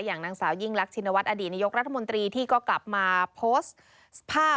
อย่างนางสาวยิ่งรักชินวัฒนอดีตนายกรัฐมนตรีที่ก็กลับมาโพสต์ภาพ